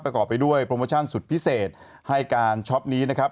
ไปด้วยโปรโมชั่นสุดพิเศษให้การช็อปนี้นะครับ